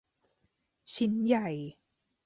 ชิ้นใหญ่